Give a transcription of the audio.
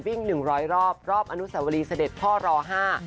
หนึ่งร้อยรอบรอบอนุสาวรีเสด็จพ่อรอห้า